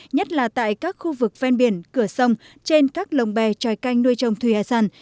nhất là tại các khu vực ven biển cửa sông trên các lồng bè tròi canh nuôi trồng thủy hải sản